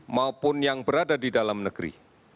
maupun yang berada di dalam negeri